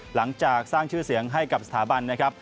หลังจากสร้างชื่อเสียงให้กับสถาบันนะครับ